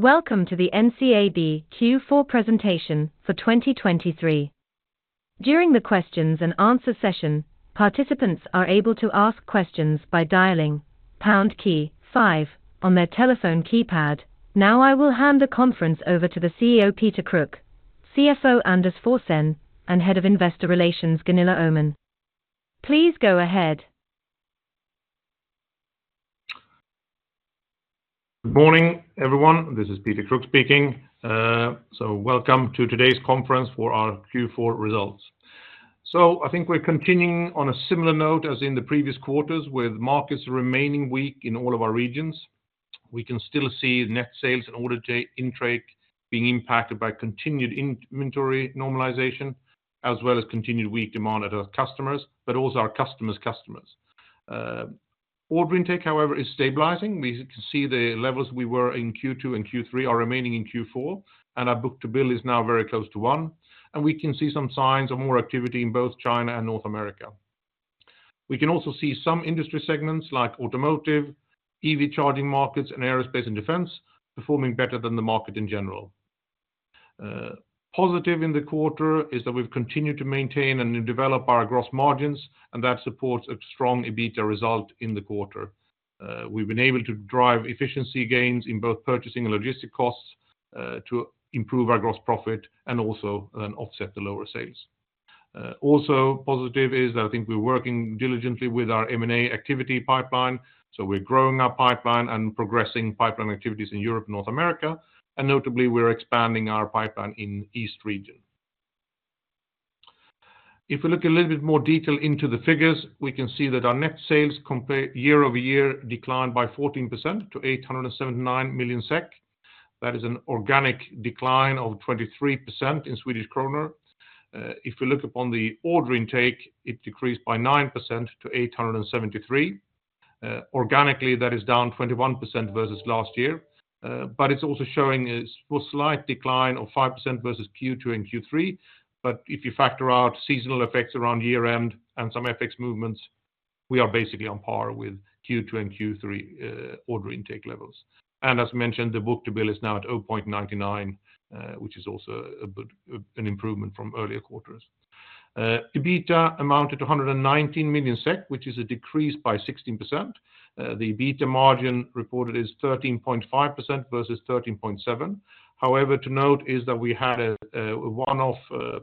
Welcome to the NCAB Q4 presentation for 2023. During the questions and answers session, participants are able to ask questions by dialing pound key 5 on their telephone keypad. Now I will hand the conference over to the CEO Peter Kruk, CFO Anders Forsén, and Head of Investor Relations Gunilla Öhman. Please go ahead. Good morning, everyone. This is Peter Kruk speaking. So welcome to today's conference for our Q4 results. So I think we're continuing on a similar note as in the previous quarters with markets remaining weak in all of our regions. We can still see net sales and order intake being impacted by continued inventory normalization, as well as continued weak demand at our customers, but also our customers' customers. Order intake, however, is stabilizing. We can see the levels we were in Q2 and Q3 are remaining in Q4, and our book-to-bill is now very close to 1. And we can see some signs of more activity in both China and North America. We can also see some industry segments like automotive, EV charging markets, and aerospace and defense performing better than the market in general. Positive in the quarter is that we've continued to maintain and develop our gross margins, and that supports a strong EBITDA result in the quarter. We've been able to drive efficiency gains in both purchasing and logistics costs, to improve our gross profit and also then offset the lower sales. Also positive is that I think we're working diligently with our M&A activity pipeline. So we're growing our pipeline and progressing pipeline activities in Europe and North America. And notably, we're expanding our pipeline in the East region. If we look a little bit more detail into the figures, we can see that our net sales compare year-over-year declined by 14% to 879 million SEK. That is an organic decline of 23% in Swedish kronor. If we look upon the order intake, it decreased by 9% to 873 million. Organically, that is down 21% versus last year. But it's also showing a slight decline of 5% versus Q2 and Q3. But if you factor out seasonal effects around year-end and some FX movements, we are basically on par with Q2 and Q3 order intake levels. And as mentioned, the book-to-bill is now at 0.99, which is also a good improvement from earlier quarters. EBITDA amounted to 119 million SEK, which is a decrease by 16%. The EBITDA margin reported is 13.5% versus 13.7%. However, to note is that we had a one-off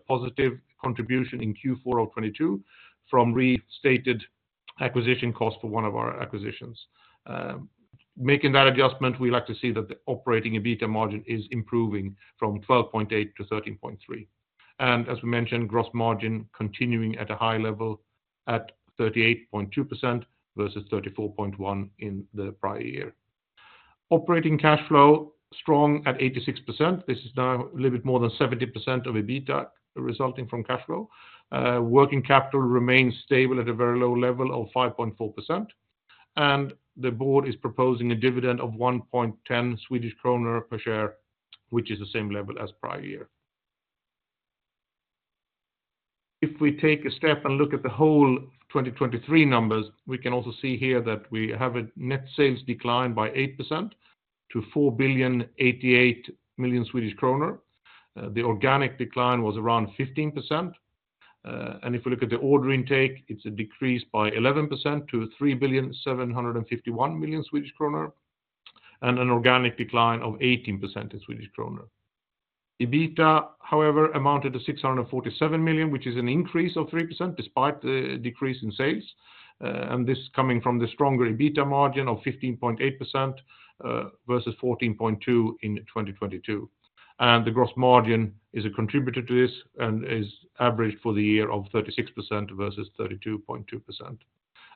positive contribution in Q4 of 2022 from restated acquisition costs for one of our acquisitions. Making that adjustment, we like to see that the operating EBITDA margin is improving from 12.8% to 13.3%. And as we mentioned, gross margin continuing at a high level at 38.2% versus 34.1% in the prior year. Operating cash flow strong at 86%. This is now a little bit more than 70% of EBITDA resulting from cash flow. Working capital remains stable at a very low level of 5.4%. The board is proposing a dividend of 1.10 Swedish kronor per share, which is the same level as prior year. If we take a step and look at the whole 2023 numbers, we can also see here that we have a net sales decline by 8% to 4,088 million Swedish kronor. The organic decline was around 15%. If we look at the order intake, it's a decrease by 11% to 3,751 million Swedish kronor and an organic decline of 18% in SEK. EBITDA, however, amounted to 647 million, which is an increase of 3% despite the decrease in sales. And this coming from the stronger EBITDA margin of 15.8%, versus 14.2% in 2022. The gross margin is a contributor to this and is averaged for the year of 36% versus 32.2%.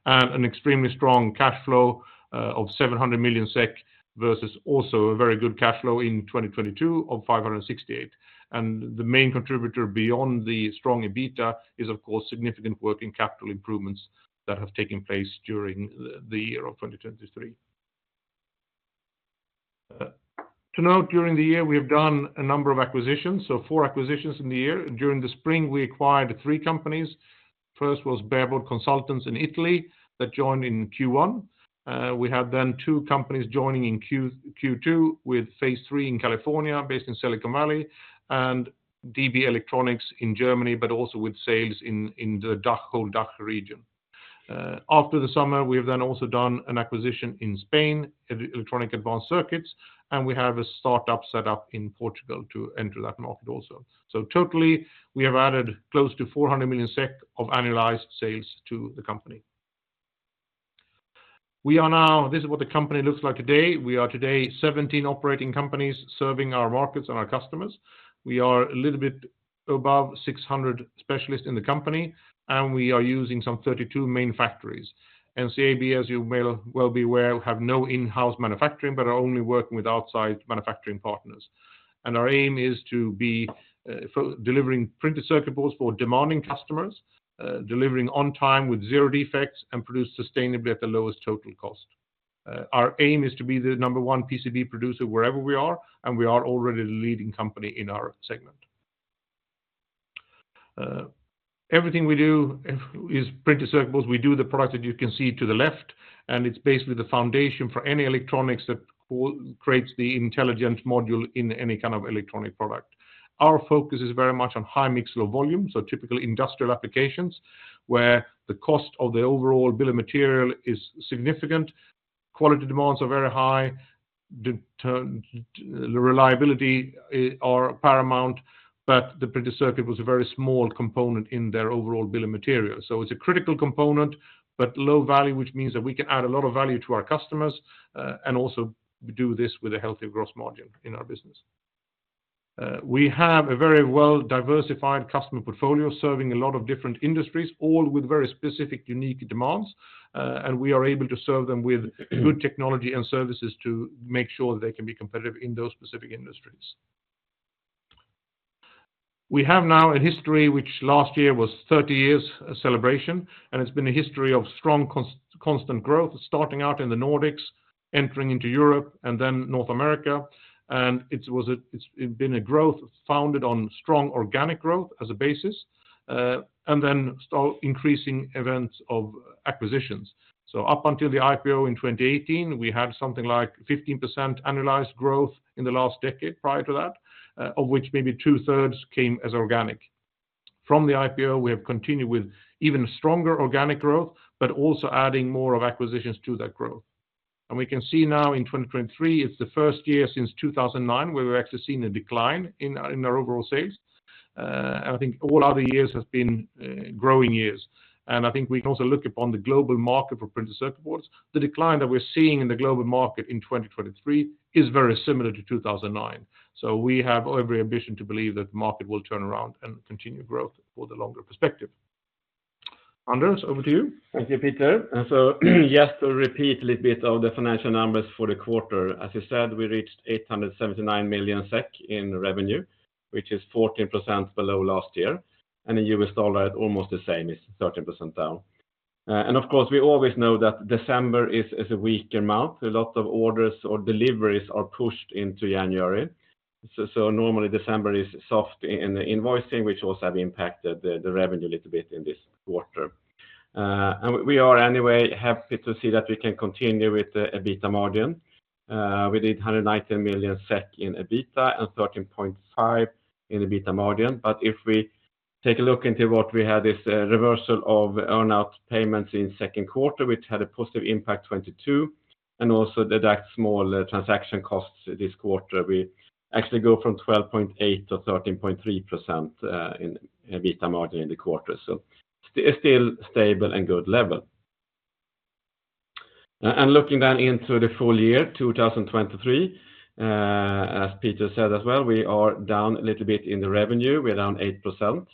And an extremely strong cash flow of 700 million SEK versus also a very good cash flow in 2022 of 568 million. And the main contributor beyond the strong EBITDA is, of course, significant working capital improvements that have taken place during the year of 2023. To note, during the year, we have done a number of acquisitions. So four acquisitions in the year. During the spring, we acquired three companies. First was Bare Board Consultants in Italy that joined in Q1. We had then two companies joining in Q2 with Phase 3 in California based in Silicon Valley and Ddb Electronics in Germany, but also with sales in the DACH region. After the summer, we have then also done an acquisition in Spain, Electronic Advanced Circuits, and we have a startup set up in Portugal to enter that market also. So totally, we have added close to 400 million SEK of annualized sales to the company. We are now. This is what the company looks like today. We are today 17 operating companies serving our markets and our customers. We are a little bit above 600 specialists in the company, and we are using some 32 main factories. NCAB, as you may well be aware, have no in-house manufacturing but are only working with outside manufacturing partners. And our aim is to be delivering printed circuit boards for demanding customers, delivering on time with zero defects, and produce sustainably at the lowest total cost. Our aim is to be the number one PCB producer wherever we are, and we are already the leading company in our segment. Everything we do is printed circuit boards. We do the product that you can see to the left, and it's basically the foundation for any electronics that creates the intelligent module in any kind of electronic product. Our focus is very much on high-mix low-volume, so typical industrial applications where the cost of the overall bill of material is significant, quality demands are very high, delivery reliability is paramount, but the printed circuit boards are a very small component in their overall bill of material. So it's a critical component but low value, which means that we can add a lot of value to our customers, and also do this with a healthy gross margin in our business. We have a very well-diversified customer portfolio serving a lot of different industries, all with very specific unique demands. We are able to serve them with good technology and services to make sure that they can be competitive in those specific industries. We have now a history which last year was 30 years' celebration, and it's been a history of strong constant growth starting out in the Nordics, entering into Europe, and then North America. It's been a growth founded on strong organic growth as a basis, and then increasing events of acquisitions. Up until the IPO in 2018, we had something like 15% annualized growth in the last decade prior to that, of which maybe two-thirds came as organic. From the IPO, we have continued with even stronger organic growth but also adding more of acquisitions to that growth. We can see now in 2023, it's the first year since 2009 where we've actually seen a decline in our overall sales. I think all other years have been growing years. I think we can also look upon the global market for printed circuit boards. The decline that we're seeing in the global market in 2023 is very similar to 2009. We have every ambition to believe that the market will turn around and continue growth for the longer perspective. Anders, over to you. Thank you, Peter. So just to repeat a little bit of the financial numbers for the quarter. As you said, we reached 879 million SEK in revenue, which is 14% below last year. In U.S. dollar, it's almost the same; it's 13% down. Of course, we always know that December is a weaker month. A lot of orders or deliveries are pushed into January. So normally, December is soft in invoicing, which also have impacted the revenue a little bit in this quarter. We are anyway happy to see that we can continue with the EBITDA margin. We did 119 million SEK in EBITDA and 13.5% in EBITDA margin. But if we take a look into what we had, this reversal of earnout payments in the second quarter, which had a positive impact 2022 and also deduct small transaction costs this quarter, we actually go from 12.8%-13.3% in EBITDA margin in the quarter. So still stable and good level. Looking then into the full year, 2023, as Peter said as well, we are down a little bit in the revenue. We are down 8%,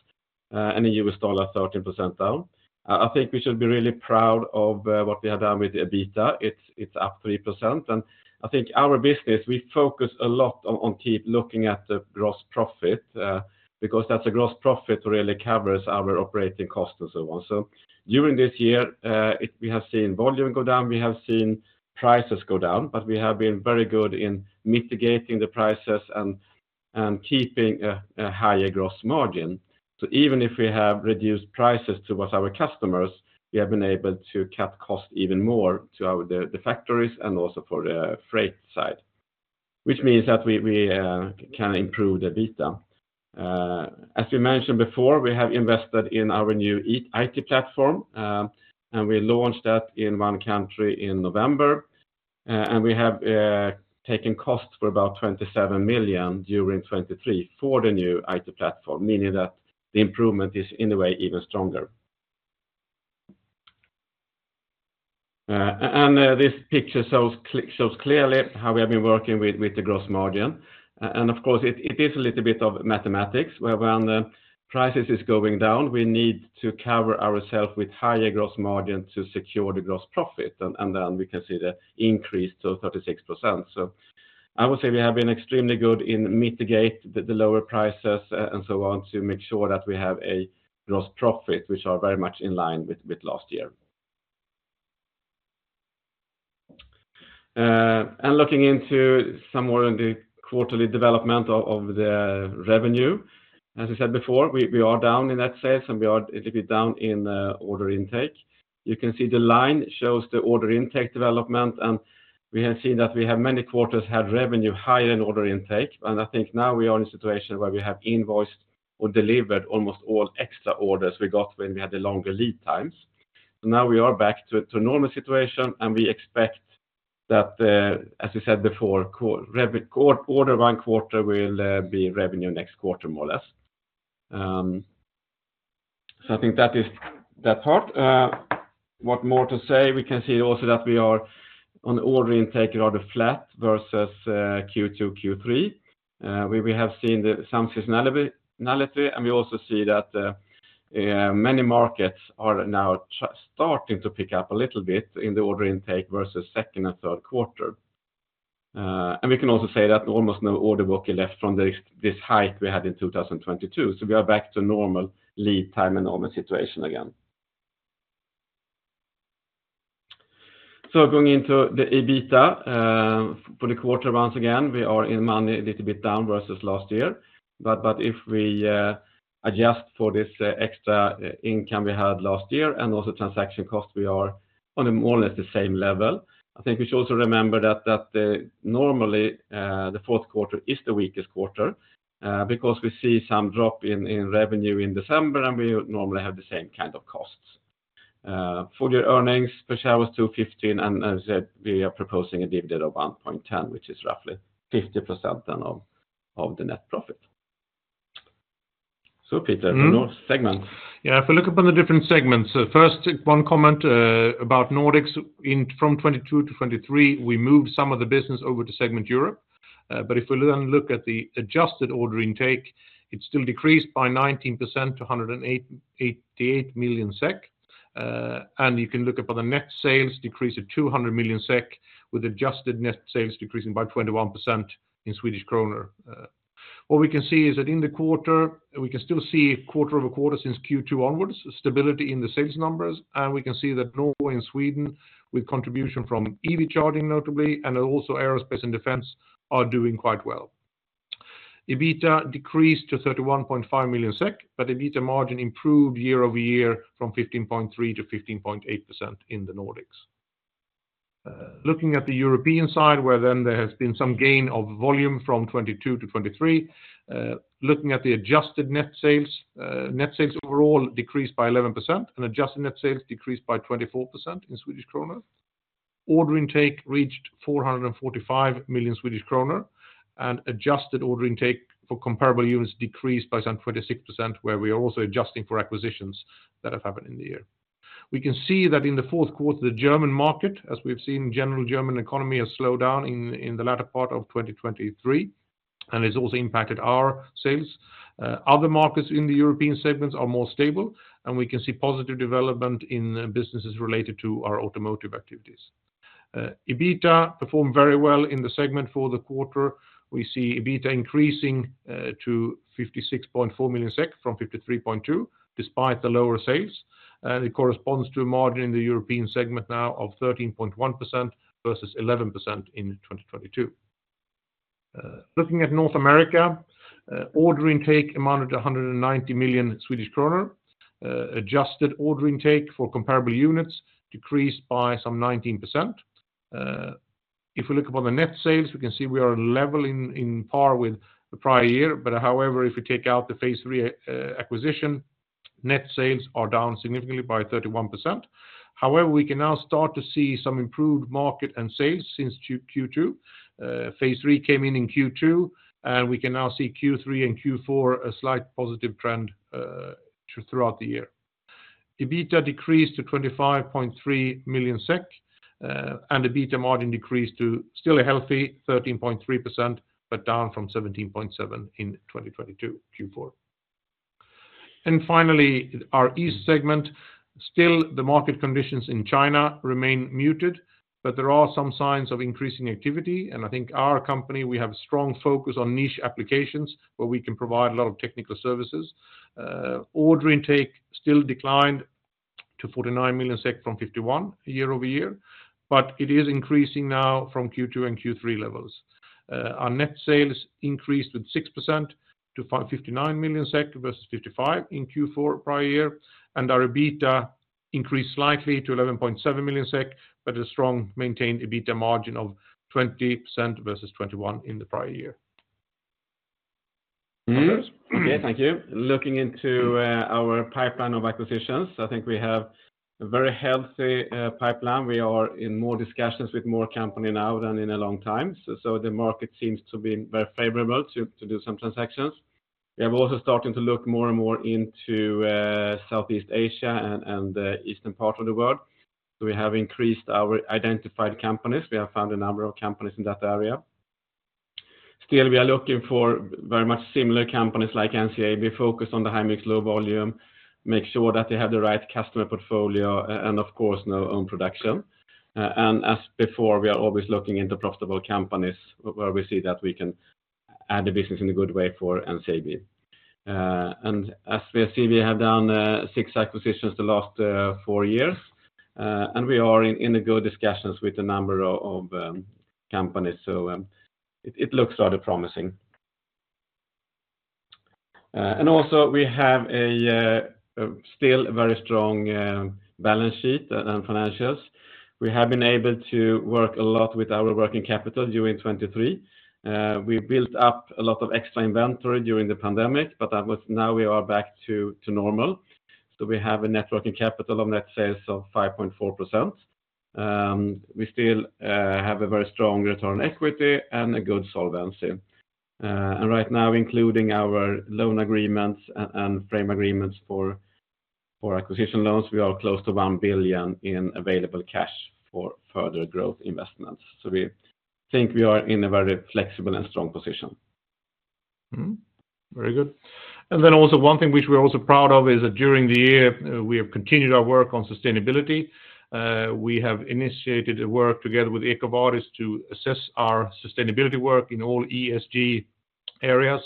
and in U.S. dollar, 13% down. I think we should be really proud of what we have done with the EBITDA. It's up 3%. And I think our business, we focus a lot on keeping looking at the gross profit, because that's a gross profit that really covers our operating costs and so on. So during this year, we have seen volume go down. We have seen prices go down, but we have been very good in mitigating the prices and keeping a higher gross margin. So even if we have reduced prices towards our customers, we have been able to cut costs even more to the factories and also for the freight side, which means that we can improve the EBITDA. As we mentioned before, we have invested in our new IT platform, and we launched that in one country in November. And we have taken costs for about 27 million during 2023 for the new IT platform, meaning that the improvement is in a way even stronger. And this picture shows clearly how we have been working with the gross margin. And of course, it is a little bit of mathematics. When prices are going down, we need to cover ourselves with a higher gross margin to secure the gross profit. Then we can see the increase to 36%. I would say we have been extremely good in mitigating the lower prices and so on to make sure that we have a gross profit, which is very much in line with last year. Looking into some more of the quarterly development of the revenue, as I said before, we are down in net sales, and we are a little bit down in order intake. You can see the line shows the order intake development, and we have seen that we have many quarters had revenue higher than order intake. I think now we are in a situation where we have invoiced or delivered almost all extra orders we got when we had the longer lead times. So now we are back to a normal situation, and we expect that, as I said before, order one quarter will be revenue next quarter, more or less. So I think that is that part. What more to say? We can see also that we are on the order intake rather flat versus Q2, Q3. We have seen some seasonality, and we also see that many markets are now starting to pick up a little bit in the order intake versus second and third quarter. And we can also say that almost no order book is left from this hike we had in 2022. So we are back to a normal lead time and normal situation again. So going into the EBITDA for the quarter once again, we are in money a little bit down versus last year. If we adjust for this extra income we had last year and also transaction costs, we are on more or less the same level. I think we should also remember that normally the fourth quarter is the weakest quarter because we see some drop in revenue in December, and we normally have the same kind of costs. Full year earnings per share was 215, and as I said, we are proposing a dividend of 1.10, which is roughly 50% then of the net profit. Peter, no segments. Yeah, if we look upon the different segments. First, one comment about Nordics. From 2022 to 2023, we moved some of the business over to segment Europe. But if we then look at the adjusted order intake, it still decreased by 19% to 188 million SEK. And you can look upon the net sales decrease at 200 million SEK with adjusted net sales decreasing by 21% in Swedish kronor. What we can see is that in the quarter, we can still see quarter-over-quarter since Q2 onwards, stability in the sales numbers. And we can see that Norway and Sweden, with contribution from EV charging notably, and also aerospace and defense, are doing quite well. EBITDA decreased to 31.5 million SEK, but EBITDA margin improved year-over-year from 15.3%-15.8% in the Nordics. Looking at the European side, where then there has been some gain of volume from 2022 to 2023, looking at the adjusted net sales, net sales overall decreased by 11% and adjusted net sales decreased by 24% in Swedish kronor. Order intake reached 445 million Swedish kronor, and adjusted order intake for comparable units decreased by some 26%, where we are also adjusting for acquisitions that have happened in the year. We can see that in the fourth quarter, the German market, as we've seen, the general German economy has slowed down in the latter part of 2023, and it's also impacted our sales. Other markets in the European segments are more stable, and we can see positive development in businesses related to our automotive activities. EBITDA performed very well in the segment for the quarter. We see EBITDA increasing to 56.4 million SEK from 53.2 million despite the lower sales. It corresponds to a margin in the European segment now of 13.1% versus 11% in 2022. Looking at North America, order intake amounted to 190 million Swedish kronor. Adjusted order intake for comparable units decreased by some 19%. If we look upon the net sales, we can see we are on par with the prior year. But however, if we take out the Phase 3 acquisition, net sales are down significantly by 31%. However, we can now start to see some improved market and sales since Q2. Phase 3 came in in Q2, and we can now see Q3 and Q4 a slight positive trend throughout the year. EBITDA decreased to 25.3 million SEK, and EBITDA margin decreased to still a healthy 13.3% but down from 17.7% in 2022 Q4. Finally, our East segment, still the market conditions in China remain muted, but there are some signs of increasing activity. And I think our company, we have a strong focus on niche applications where we can provide a lot of technical services. Order intake still declined to 49 million SEK from 51 million year-over-year, but it is increasing now from Q2 and Q3 levels. Our net sales increased with 6% to 59 million SEK versus 55 million in Q4 prior year. And our EBITDA increased slightly to 11.7 million SEK, but a strong maintained EBITDA margin of 20% versus 21% in the prior year. Anders. Yeah, thank you. Looking into our pipeline of acquisitions, I think we have a very healthy pipeline. We are in more discussions with more companies now than in a long time. So the market seems to be very favorable to do some transactions. We have also started to look more and more into Southeast Asia and the eastern part of the world. So we have increased our identified companies. We have found a number of companies in that area. Still, we are looking for very much similar companies like NCAB. Focus on the high-mix low-volume, make sure that they have the right customer portfolio, and of course, no own production. As before, we are always looking into profitable companies where we see that we can add the business in a good way for NCAB. As we see, we have done 6 acquisitions the last 4 years, and we are in good discussions with a number of companies. So it looks rather promising. Also, we have still a very strong balance sheet and financials. We have been able to work a lot with our working capital during 2023. We built up a lot of extra inventory during the pandemic, but now we are back to normal. So we have a net working capital of net sales of 5.4%. We still have a very strong return on equity and a good solvency. Right now, including our loan agreements and frame agreements for acquisition loans, we are close to 1 billion in available cash for further growth investments. So we think we are in a very flexible and strong position. Very good. Then also one thing which we are also proud of is that during the year, we have continued our work on sustainability. We have initiated work together with EcoVadis to assess our sustainability work in all ESG areas.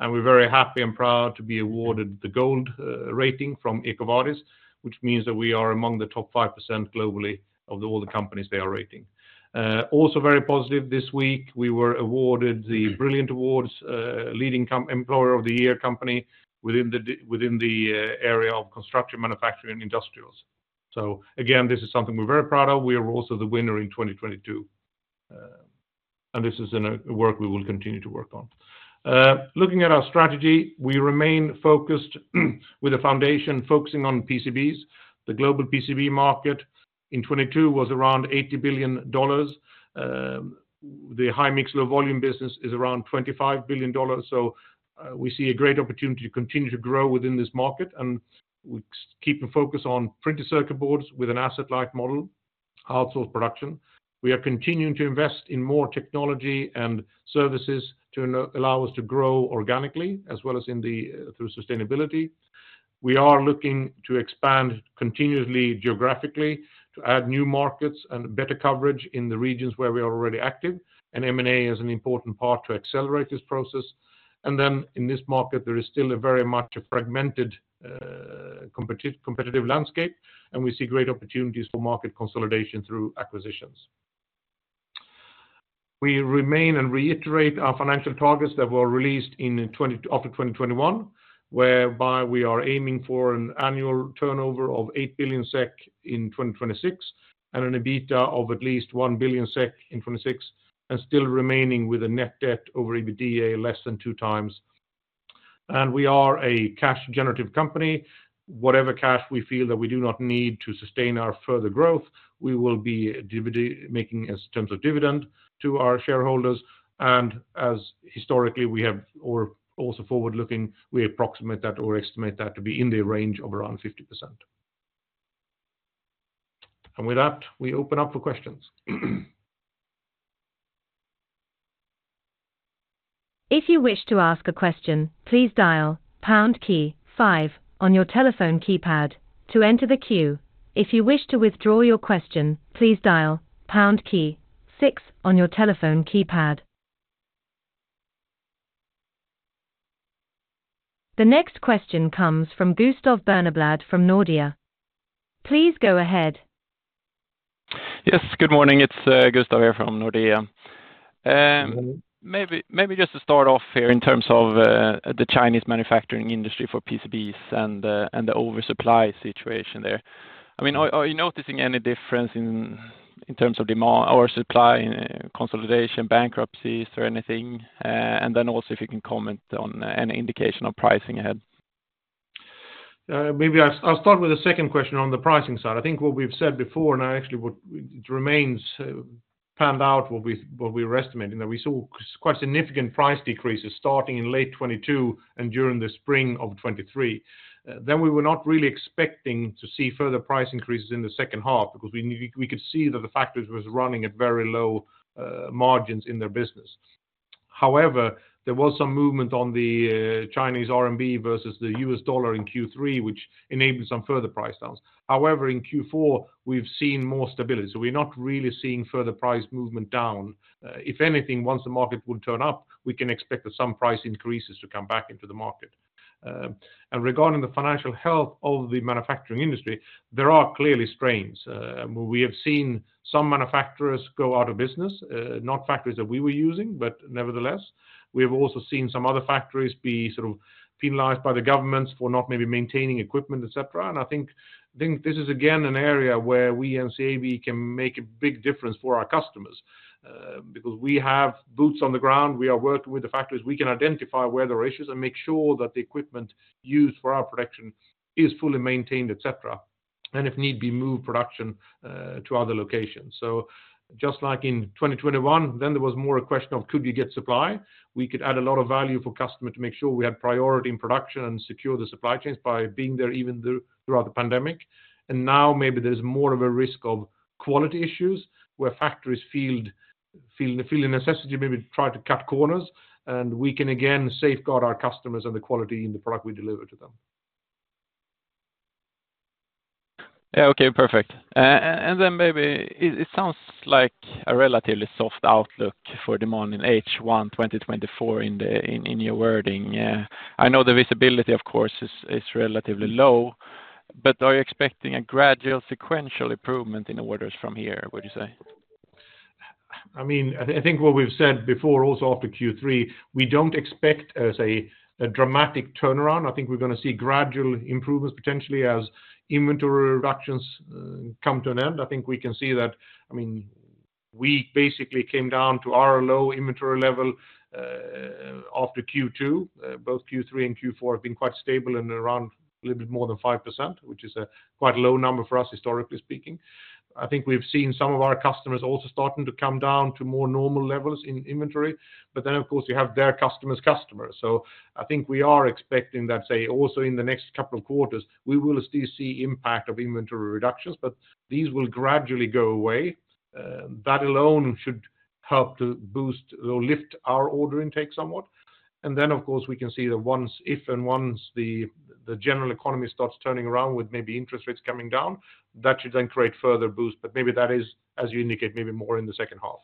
We're very happy and proud to be awarded the gold rating from EcoVadis, which means that we are among the top 5% globally of all the companies they are rating. Also, very positive this week, we were awarded the Brilliant Awards leading employer of the year company within the area of construction, manufacturing, and industrials. Again, this is something we're very proud of. We are also the winner in 2022. This is work we will continue to work on. Looking at our strategy, we remain focused with a foundation focusing on PCBs. The global PCB market in 2022 was around $80 billion. The high-mix, low-volume business is around $25 billion. So we see a great opportunity to continue to grow within this market. We keep a focus on printed circuit boards with an asset-like model, outsourced production. We are continuing to invest in more technology and services to allow us to grow organically as well as through sustainability. We are looking to expand continuously geographically to add new markets and better coverage in the regions where we are already active. M&A is an important part to accelerate this process. In this market, there is still very much a fragmented competitive landscape, and we see great opportunities for market consolidation through acquisitions. We remain and reiterate our financial targets that were released after 2021, whereby we are aiming for an annual turnover of 8 billion SEK in 2026 and an EBITDA of at least 1 billion SEK in 2026, and still remaining with a net debt over EBITDA less than two times. We are a cash-generative company. Whatever cash we feel that we do not need to sustain our further growth, we will be making in terms of dividend to our shareholders. As historically, we have also forward-looking, we approximate that or estimate that to be in the range of around 50%. With that, we open up for questions. If you wish to ask a question, please dial pound key 5 on your telephone keypad to enter the queue. If you wish to withdraw your question, please dial pound key 6 on your telephone keypad. The next question comes from Gustav Bernblad from Nordea. Please go ahead. Yes, good morning. It's Gustav here from Nordea. Maybe just to start off here in terms of the Chinese manufacturing industry for PCBs and the oversupply situation there. I mean, are you noticing any difference in terms of demand or supply consolidation, bankruptcies, or anything? And then also if you can comment on any indication of pricing ahead? Maybe I'll start with the second question on the pricing side. I think what we've said before and actually what remains panned out what we were estimating, that we saw quite significant price decreases starting in late 2022 and during the spring of 2023. Then we were not really expecting to see further price increases in the second half because we could see that the factories were running at very low margins in their business. However, there was some movement on the Chinese RMB versus the US dollar in Q3, which enabled some further price downs. However, in Q4, we've seen more stability. So we're not really seeing further price movement down. If anything, once the market would turn up, we can expect that some price increases to come back into the market. Regarding the financial health of the manufacturing industry, there are clearly strains. We have seen some manufacturers go out of business, not factories that we were using, but nevertheless, we have also seen some other factories be sort of penalized by the governments for not maybe maintaining equipment, etc. And I think this is, again, an area where we NCAB can make a big difference for our customers because we have boots on the ground. We are working with the factories. We can identify where there are issues and make sure that the equipment used for our production is fully maintained, etc., and if need be, move production to other locations. So just like in 2021, then there was more a question of, could you get supply? We could add a lot of value for customers to make sure we had priority in production and secure the supply chains by being there even throughout the pandemic. Now maybe there's more of a risk of quality issues where factories feel the necessity to maybe try to cut corners. We can, again, safeguard our customers and the quality in the product we deliver to them. Yeah, okay, perfect. And then maybe it sounds like a relatively soft outlook for demand in H1 2024 in your wording. I know the visibility, of course, is relatively low, but are you expecting a gradual, sequential improvement in orders from here, would you say? I mean, I think what we've said before also after Q3, we don't expect, say, a dramatic turnaround. I think we're going to see gradual improvements potentially as inventory reductions come to an end. I think we can see that, I mean, we basically came down to our low inventory level after Q2. Both Q3 and Q4 have been quite stable and around a little bit more than 5%, which is a quite low number for us, historically speaking. I think we've seen some of our customers also starting to come down to more normal levels in inventory. But then, of course, you have their customers' customers. So I think we are expecting that, say, also in the next couple of quarters, we will still see impact of inventory reductions, but these will gradually go away. That alone should help to boost or lift our order intake somewhat. And then, of course, we can see that once if and once the general economy starts turning around with maybe interest rates coming down, that should then create further boost. But maybe that is, as you indicate, maybe more in the second half.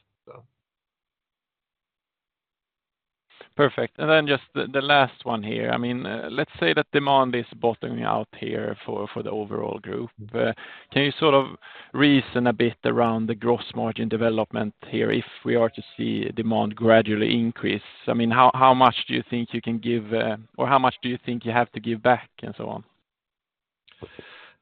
Perfect. And then just the last one here. I mean, let's say that demand is bottoming out here for the overall group. Can you sort of reason a bit around the gross margin development here if we are to see demand gradually increase? I mean, how much do you think you can give or how much do you think you have to give back and so on?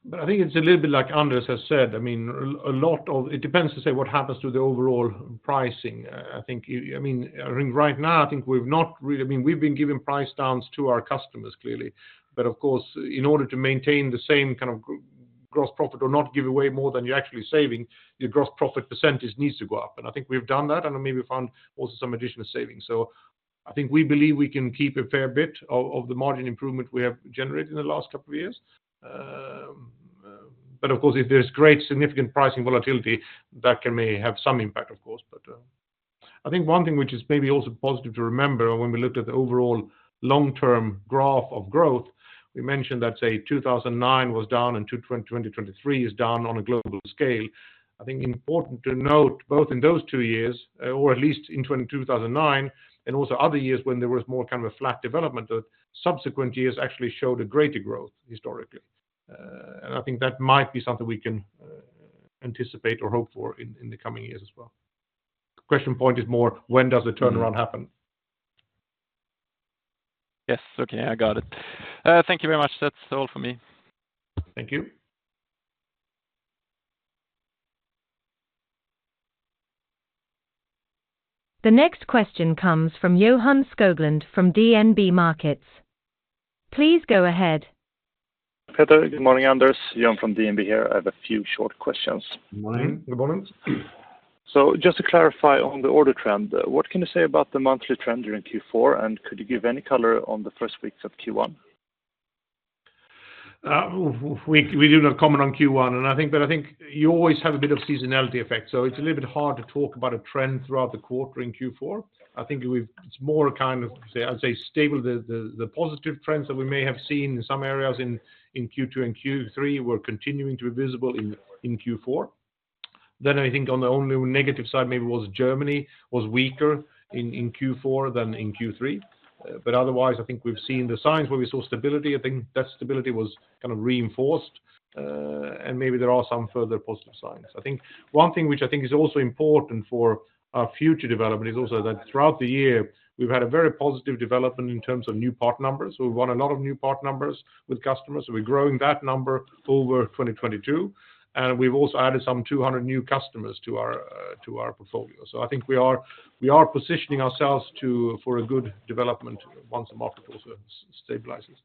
But I think it's a little bit like Anders has said. I mean, a lot of it depends, to say, what happens to the overall pricing. I think, I mean, I think right now, I think we've not really I mean, we've been giving price downs to our customers, clearly. But of course, in order to maintain the same kind of gross profit or not give away more than you're actually saving, your gross profit percentage needs to go up. And I think we've done that and maybe found also some additional savings. So I think we believe we can keep a fair bit of the margin improvement we have generated in the last couple of years. But of course, if there's great significant pricing volatility, that may have some impact, of course. But I think one thing which is maybe also positive to remember when we looked at the overall long-term graph of growth, we mentioned that, say, 2009 was down and 2023 is down on a global scale. I think important to note both in those two years or at least in 2009 and also other years when there was more kind of a flat development, that subsequent years actually showed a greater growth historically. And I think that might be something we can anticipate or hope for in the coming years as well. Question point is more, when does the turnaround happen? Yes, okay, I got it. Thank you very much. That's all for me. Thank you. The next question comes from Johan Skoglund from DNB Markets. Please go ahead. Peter, good morning, Anders. Johan from DNB here. I have a few short questions. Good morning. Good mornings. Just to clarify on the order trend, what can you say about the monthly trend during Q4? Could you give any color on the first weeks of Q1? We do not comment on Q1. I think that I think you always have a bit of seasonality effect. It's a little bit hard to talk about a trend throughout the quarter in Q4. I think it's more kind of, I'd say, stable. The positive trends that we may have seen in some areas in Q2 and Q3 were continuing to be visible in Q4. I think on the only negative side, maybe was Germany was weaker in Q4 than in Q3. Otherwise, I think we've seen the signs where we saw stability. I think that stability was kind of reinforced. Maybe there are some further positive signs. I think one thing which I think is also important for our future development is also that throughout the year, we've had a very positive development in terms of new part numbers. We won a lot of new part numbers with customers. We're growing that number over 2022. We've also added some 200 new customers to our portfolio. I think we are positioning ourselves for a good development once the market also stabilizes.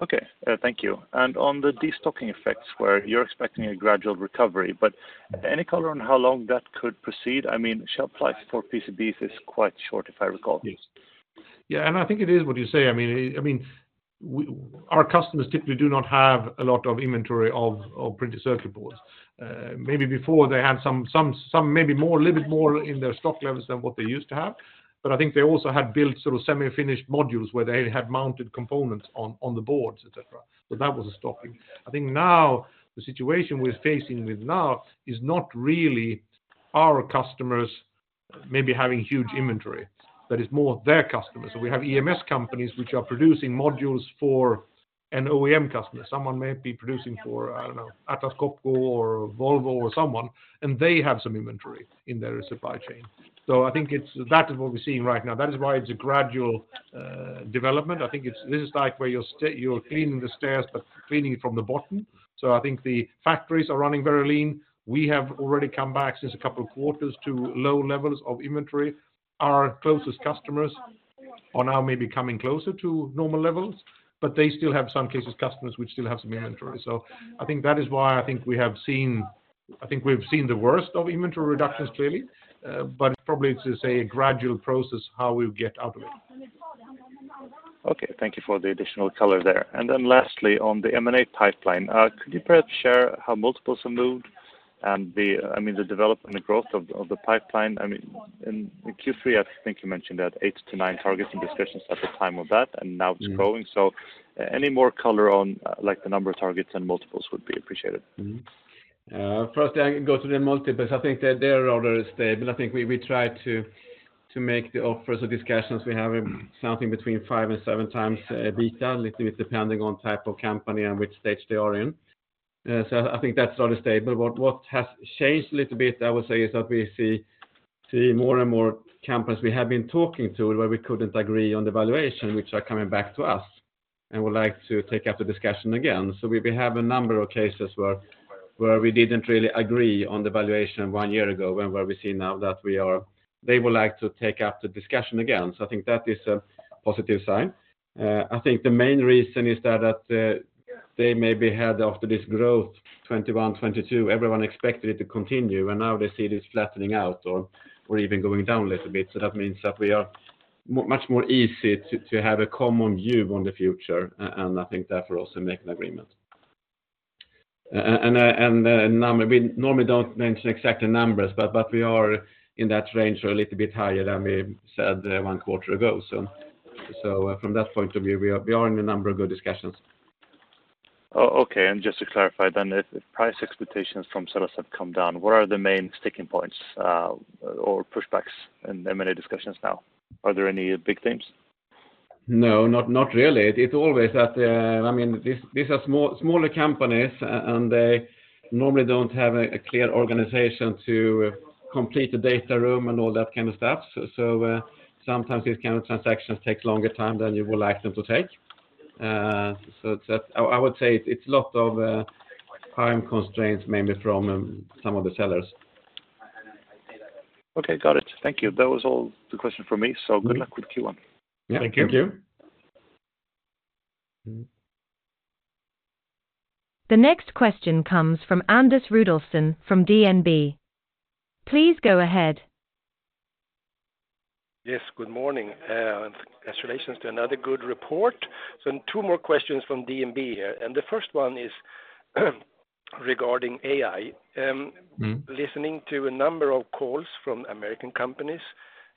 Okay, thank you. And on the destocking effects where you're expecting a gradual recovery, but any color on how long that could proceed? I mean, shelf life for PCBs is quite short, if I recall. Yes. Yeah, and I think it is what you say. I mean, our customers typically do not have a lot of inventory of printed circuit boards. Maybe before they had some, maybe a little bit more in their stock levels than what they used to have. But I think they also had built sort of semi-finished modules where they had mounted components on the boards, etc. So that was a stocking. I think now the situation we're facing with now is not really our customers maybe having huge inventory. That is more their customers. So we have EMS companies which are producing modules for an OEM customer. Someone may be producing for, I don't know, Atlas Copco or Volvo or someone. And they have some inventory in their supply chain. So I think that is what we're seeing right now. That is why it's a gradual development. I think this is like where you're cleaning the stairs, but cleaning it from the bottom. So I think the factories are running very lean. We have already come back since a couple of quarters to low levels of inventory. Our closest customers are now maybe coming closer to normal levels, but they still have some cases customers which still have some inventory. So I think that is why I think we have seen I think we've seen the worst of inventory reductions, clearly. But probably it's a gradual process how we get out of it. Okay, thank you for the additional color there. Then lastly, on the M&A pipeline, could you perhaps share how multiples have moved and the, I mean, the development and growth of the pipeline? I mean, in Q3, I think you mentioned that 8-9 targets and discussions at the time of that, and now it's growing. So any more color on the number of targets and multiples would be appreciated. First, I can go to the multiples. I think their order is stable. I think we tried to make the offers or discussions we have something between 5 and 7 times EBITDA, a little bit depending on type of company and which stage they are in. So I think that's rather stable. What has changed a little bit, I would say, is that we see more and more companies we have been talking to where we couldn't agree on the valuation, which are coming back to us and would like to take up the discussion again. So we have a number of cases where we didn't really agree on the valuation 1 year ago and where we see now that they would like to take up the discussion again. So I think that is a positive sign. I think the main reason is that they maybe had after this growth, 2021, 2022, everyone expected it to continue. And now they see this flattening out or even going down a little bit. So that means that we are much more easy to have a common view on the future. And I think therefore also make an agreement. And we normally don't mention exact numbers, but we are in that range or a little bit higher than we said one quarter ago. So from that point of view, we are in a number of good discussions. Okay, and just to clarify then, if price expectations from sellers have come down, what are the main sticking points or pushbacks in M&A discussions now? Are there any big themes? No, not really. It's always that, I mean, these are smaller companies, and they normally don't have a clear organization to complete the data room and all that kind of stuff. So sometimes these kind of transactions take longer time than you would like them to take. So I would say it's a lot of time constraints maybe from some of the sellers. Okay, got it. Thank you. That was all the questions for me. Good luck with Q1. Yeah, thank you. Thank you. The next question comes from Anders Rudolfsson from DNB. Please go ahead. Yes, good morning. Congratulations to another good report. Two more questions from DNB here. The first one is regarding AI. Listening to a number of calls from American companies,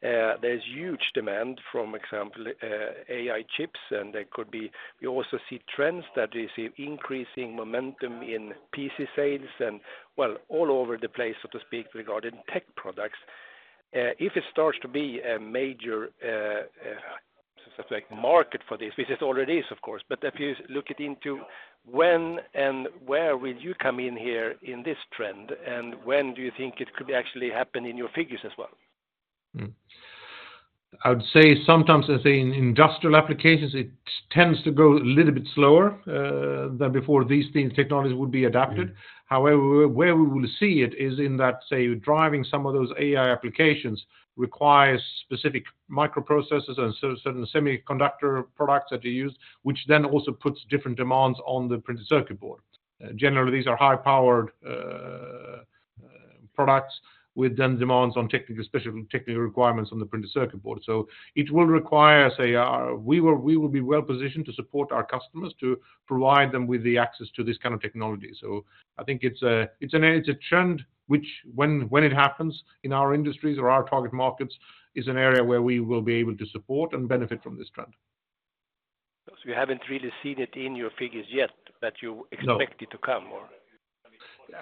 there's huge demand from, for example, AI chips. There could be. We also see trends that we see increasing momentum in PC sales and, well, all over the place, so to speak, regarding tech products. If it starts to be a major market for this, which it already is, of course, but if you look it into, when and where will you come in here in this trend? And when do you think it could actually happen in your figures as well? I would say sometimes, as in industrial applications, it tends to go a little bit slower than before these technologies would be adapted. However, where we will see it is in that, say, driving some of those AI applications requires specific microprocessors and certain semiconductor products that are used, which then also puts different demands on the printed circuit board. Generally, these are high-powered products with then demands on technical requirements on the printed circuit board. So it will require, say, we will be well-positioned to support our customers to provide them with the access to this kind of technology. So I think it's a trend which, when it happens in our industries or our target markets, is an area where we will be able to support and benefit from this trend. You haven't really seen it in your figures yet, but you expect it to come, or?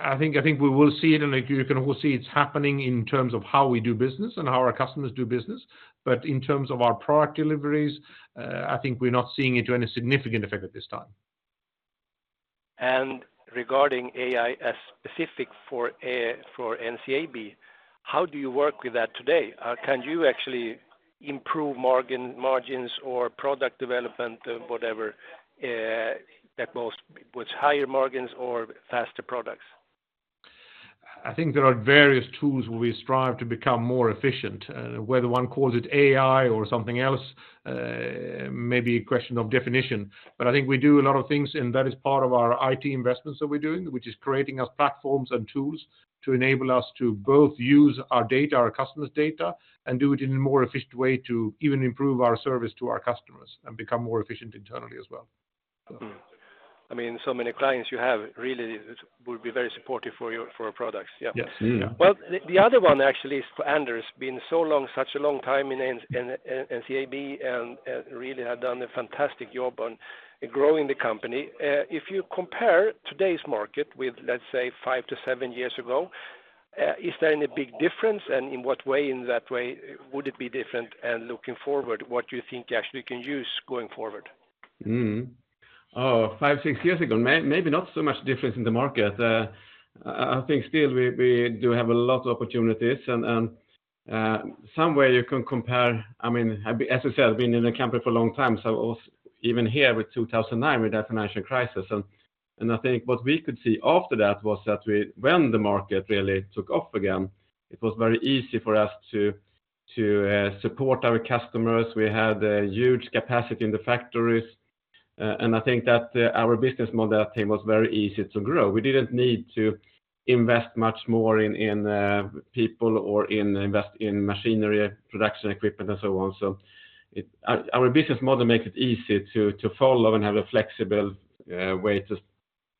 I think we will see it. You can also see it's happening in terms of how we do business and how our customers do business. In terms of our product deliveries, I think we're not seeing it to any significant effect at this time. Regarding AI specific for NCAB, how do you work with that today? Can you actually improve margins or product development, whatever, with higher margins or faster products? I think there are various tools where we strive to become more efficient. Whether one calls it AI or something else, maybe a question of definition. But I think we do a lot of things, and that is part of our IT investments that we're doing, which is creating us platforms and tools to enable us to both use our data, our customers' data, and do it in a more efficient way to even improve our service to our customers and become more efficient internally as well. I mean, so many clients you have really would be very supportive for your products. Yeah. Well, the other one, actually, for Anders, been so long, such a long time in NCAB and really have done a fantastic job on growing the company. If you compare today's market with, let's say, 5-7 years ago, is there any big difference? And in what way in that way would it be different? And looking forward, what do you think you actually can use going forward? Oh, 5, 6 years ago, maybe not so much difference in the market. I think still we do have a lot of opportunities. And somewhere you can compare, I mean, as I said, I've been in a company for a long time. So even here with 2009, we had a financial crisis. And I think what we could see after that was that when the market really took off again, it was very easy for us to support our customers. We had huge capacity in the factories. And I think that our business model at the time was very easy to grow. We didn't need to invest much more in people or invest in machinery, production equipment, and so on. So our business model makes it easy to follow and have a flexible way to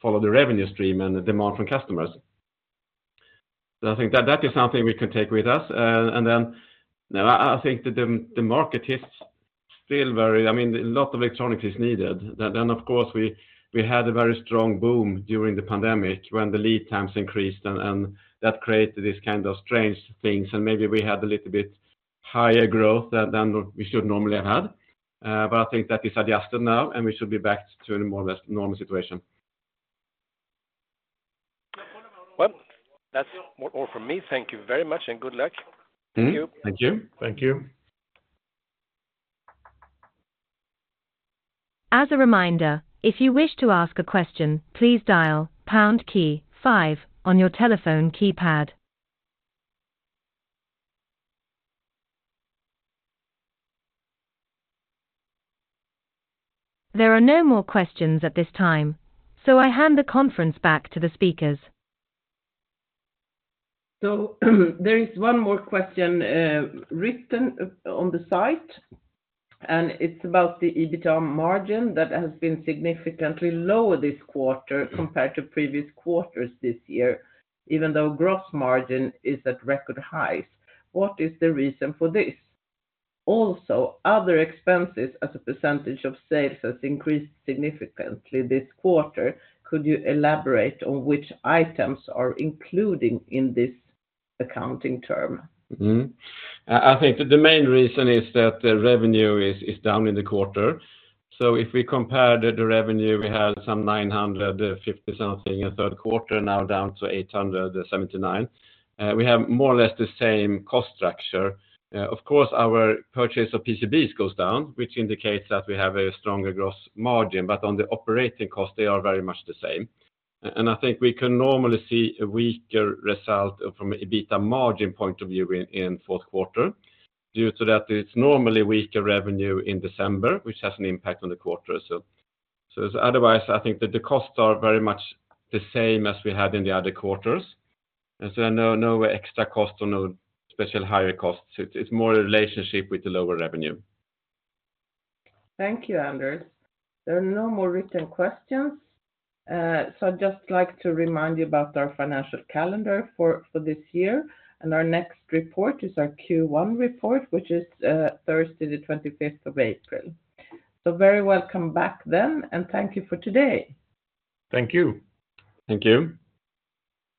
follow the revenue stream and demand from customers. So I think that is something we can take with us. And then I think the market is still very, I mean, a lot of electronics is needed. Then, of course, we had a very strong boom during the pandemic when the lead times increased. And that created this kind of strange things. And maybe we had a little bit higher growth than we should normally have had. But I think that is adjusted now, and we should be back to a more normal situation. Well, that's all from me. Thank you very much, and good luck. Thank you. Thank you. Thank you. As a reminder, if you wish to ask a question, please dial pound key 5 on your telephone keypad. There are no more questions at this time, so I hand the conference back to the speakers. There is one more question written on the site. It's about the EBITDA margin that has been significantly lower this quarter compared to previous quarters this year, even though gross margin is at record highs. What is the reason for this? Also, other expenses as a percentage of sales has increased significantly this quarter. Could you elaborate on which items are included in this accounting term? I think the main reason is that revenue is down in the quarter. So if we compare the revenue, we had some 950-something million in the third quarter, now down to 879 million. We have more or less the same cost structure. Of course, our purchase of PCBs goes down, which indicates that we have a stronger gross margin. But on the operating cost, they are very much the same. And I think we can normally see a weaker result from an EBITDA margin point of view in fourth quarter due to that it's normally weaker revenue in December, which has an impact on the quarter. So otherwise, I think that the costs are very much the same as we had in the other quarters. And so there are no extra costs or no special higher costs. It's more a relationship with the lower revenue. Thank you, Anders. There are no more written questions. I'd just like to remind you about our financial calendar for this year. Our next report is our Q1 report, which is Thursday, the 25th of April. Very welcome back then, and thank you for today. Thank you. Thank you.